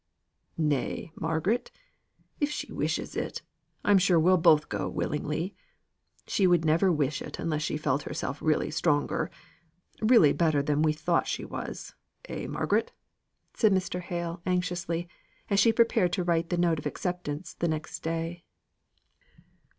"Nay, Margaret: if she wishes it, I'm sure we'll both go willingly. She never would wish it unless she felt herself really stronger really better than we thought she was, eh, Margaret?" said Mr. Hale, anxiously, as she prepared to write the note of acceptance, the next day.